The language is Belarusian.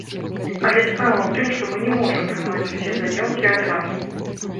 Але справа ў тым, што мы не можам прымаць усе заяўкі адразу.